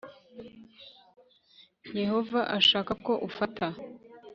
Yehova ashaka ko ufata .